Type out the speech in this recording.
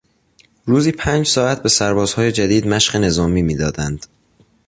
روزی پنج ساعت به سربازهای جدید مشق نظامی میدادند.